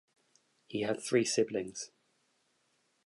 He had three siblings.